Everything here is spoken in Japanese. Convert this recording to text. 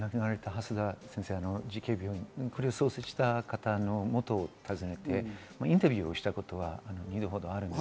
私は蓮田先生、慈恵病院、これを創設した方のもとを訪ねてインタビューをしたことがあります。